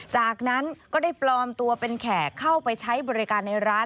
จากนั้นก็ได้ปลอมตัวเป็นแขกเข้าไปใช้บริการในร้าน